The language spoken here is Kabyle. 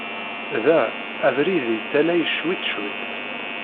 Da, abrid yettaley cwiṭ, cwiṭ.